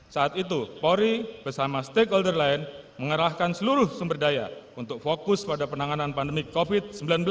saat itu polri bersama stakeholder lain mengerahkan seluruh sumber daya untuk fokus pada penanganan pandemi covid sembilan belas